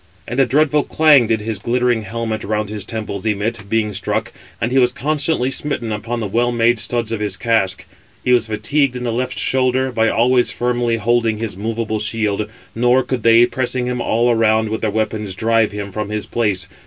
And a dreadful clang did his glittering helmet round his temples emit, being struck, and he was constantly smitten upon the well made studs of his casque. He was fatigued in the left shoulder, by always firmly holding his moveable shield; nor could they, pressing him all around with their weapons, drive him [from his place].